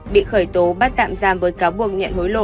bắt tạm giam với cáo buộc nhận hối lộ